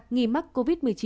nghi mắc covid một mươi chín